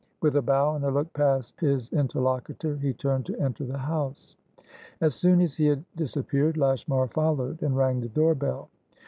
With a bow and a look past his interlocutor, he turned to enter the house. As soon as he had disappeared, Lashmar followed, and rang the door bell.